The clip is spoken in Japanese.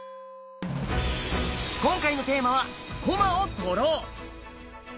今回のテーマは「駒を取ろう」！